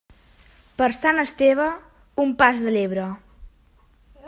Per Sant Esteve, un pas de llebre.